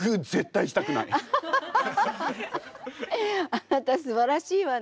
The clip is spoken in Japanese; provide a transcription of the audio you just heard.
あなたすばらしいわね。